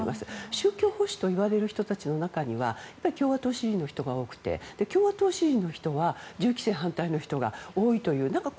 宗教保守といわれる人たちの中には共和党支持の人が多くて銃規制反対の人が多いという。